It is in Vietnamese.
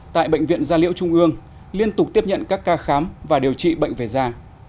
tại bệnh viện gia liễu trung ương liên tục tiếp nhận các ca khám và điều trị bệnh về da